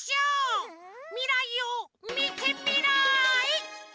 みらいをみてみらい！